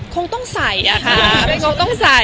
คงต้องใส่อะค่ะ